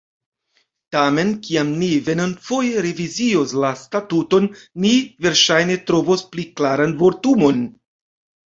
Tamen, kiam ni venontfoje revizios la Statuton, ni verŝajne trovos pli klaran vortumon.